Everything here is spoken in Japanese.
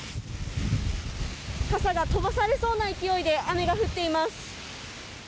傘が飛ばされそうな勢いで雨が降っています。